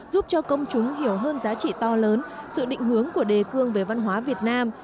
giúp cho công chúng hiểu hơn giá trị to lớn sự định hướng của đề cương về văn hóa việt nam